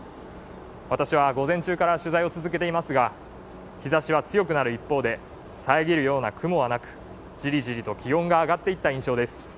私は午前中から取材を続けていますが日ざしは強くなる一方で遮るような雲はなくジリジリと気温が上がっていった印象です。